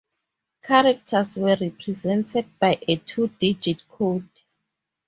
Characters were represented by a two-digit code.